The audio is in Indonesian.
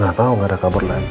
gak tau ga ada kabar lami